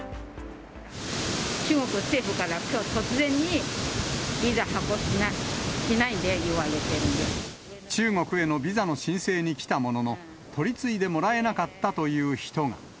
中国政府からきょう突然に、中国へのビザの申請に来たものの、取り次いでもらえなかったという人が。